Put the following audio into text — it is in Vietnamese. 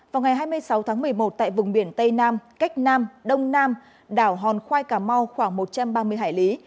vào ngày hai mươi sáu tháng một mươi một tại vùng biển tây nam cách nam đông nam đảo hòn khoai cà mau khoảng một trăm ba mươi hải lý